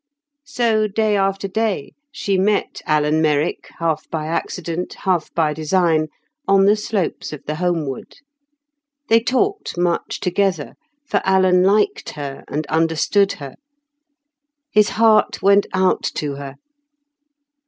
So, day after day, she met Alan Merrick, half by accident, half by design, on the slopes of the Holmwood. They talked much together, for Alan liked her and understood her. His heart went out to her.